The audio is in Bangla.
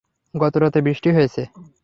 গতরাতে বৃষ্টি হয়েছে।